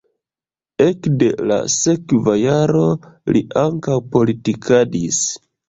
Ekde la sekva jaro li ankaŭ politikadis.